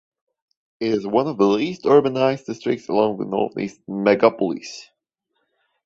It is one of the least-urbanized districts along the Northeast Megalopolis.